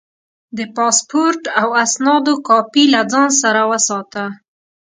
د پاسپورټ او اسنادو کاپي له ځان سره وساته.